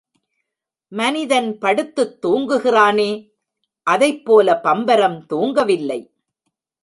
மனிதன் படுத்துத் தூங்குகிறானே அதைப்போல பம்பரம் தூங்கவில்லை.